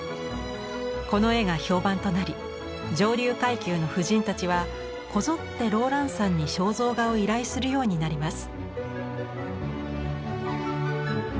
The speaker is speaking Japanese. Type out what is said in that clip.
この絵が評判となり上流階級の婦人たちはこぞってローランサンに肖像画を依頼するようになります。